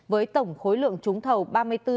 với tổng khối lượng trúng thầu